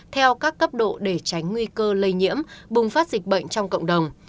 theo các cấp độ để tránh nguy cơ lây nhiễm bùng phát dịch bệnh trong cộng đồng